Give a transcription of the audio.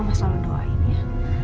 mama selalu doain ya